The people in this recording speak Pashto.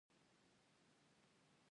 د ټریټیم هایدروجن درې ایزوټوپ دی.